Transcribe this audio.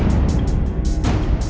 ini luar suhu